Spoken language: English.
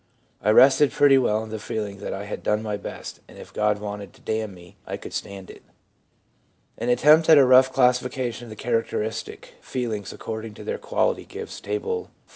I rested pretty well in the feeling that I had done my best, and if God wanted to damn me, I could stand it/ An attempt at a rough classification of the charac teristic feelings according to their quality gives Table XIV.